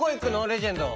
レジェンド。